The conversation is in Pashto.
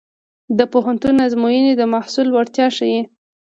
د پوهنتون ازموینې د محصل وړتیا ښيي.